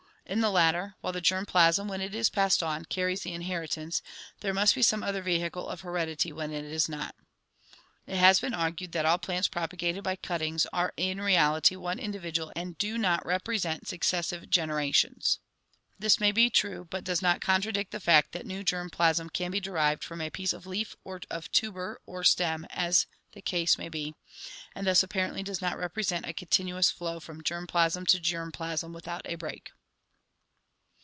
In the latter, while the germ plasm, when it is passed on, carries the inheritance, there must be some other vehicle of heredity when it is not. It has been argued that all plants propagated by cuttings are in reality one individual and do not represent successive generations. This may be true, but does not contradict the fact that new germ plasm can be derived from a piece of leaf or of tuber or stem as the case may be, and thus apparently does not represent a continuous flow from germ plasm to germ plasm without a break.